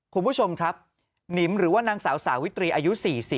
คุณผู้ชมครับหนิมหรือว่านางสาวสาวิตรีอายุ๔๐